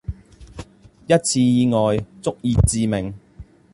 一次意外、足以致命